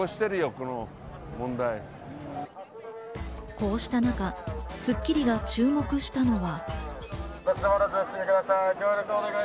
こうした中『スッキリ』が注目したのは。